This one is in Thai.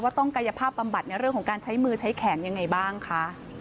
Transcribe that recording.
ต้องกายภาพบำบัดในเรื่องของการใช้มือใช้แขนยังไงบ้างคะ